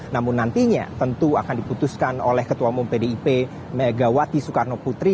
namun nantinya tentu akan diputuskan oleh ketua umum pdip megawati soekarno putri